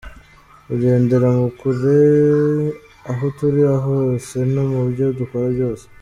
– Kugendera mu kuri aho turi hose no mubyo dukora byose;